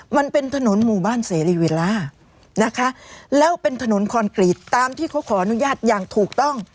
มันเป็นถนนหมู่บ้านเสรีเวลานะคะแล้วเป็นถนนคอนกรีตตามที่เขาขออนุญาตอย่างถูกต้อง